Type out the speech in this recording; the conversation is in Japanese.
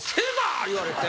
言われて。